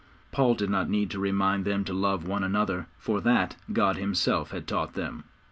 Paul did not need to remind them to love one another, for that God Himself had taught them.